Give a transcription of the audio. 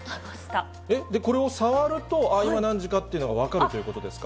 で、これを触ると今、何時かというのが分かるということですか？